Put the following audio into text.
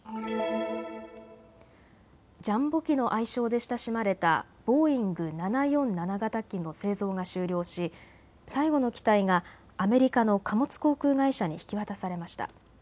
ジャンボ機の愛称で親しまれたボーイング７４７型機の製造が終了し最後の機体がアメリカの貨物航空会社に引き渡されました。